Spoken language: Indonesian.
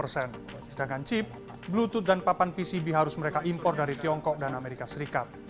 sedangkan chip bluetoot dan papan pcb harus mereka impor dari tiongkok dan amerika serikat